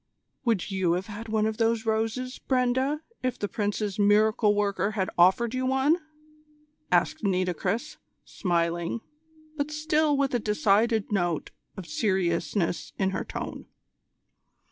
"Would you have had one of those roses, Brenda, if the Prince's miracle worker had offered you one?" asked Nitocris, smiling, but still with a decided note of seriousness in her tone.